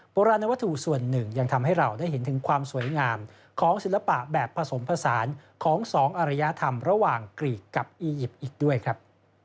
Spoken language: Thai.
โบราณวัตถุส่วนหนึ่งยังทำให้เราได้เห็นถึงความสวยงามของศิลปะแบบผสมผสานของสองอรยธรรมระหว่างกรีกกับอียิปต์อีกด้วยครับ